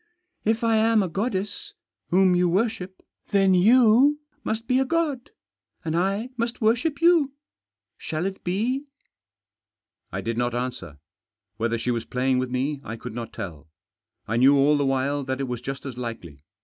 " If I am a goddess, whom you worship, then you must be god, and I must worship you. Shall it be ?" I did not answer. Whether she was playing with me I could not tell. I knew all the while that it was just as likely.